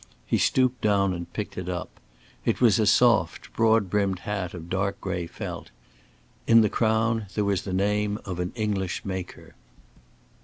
He stooped down and picked it up. It was a soft broad brimmed hat of dark gray felt. In the crown there was the name of an English maker.